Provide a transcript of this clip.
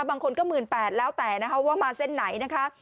บางคนก็หมื่นแปดแล้วแต่ว่ามาเส้นไหนนะฮะ